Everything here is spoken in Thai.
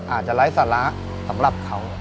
อาจจะไร้สาระสำหรับเขา